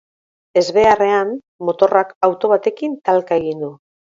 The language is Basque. Ezbeharrean, motorrak auto batekin talka egin du.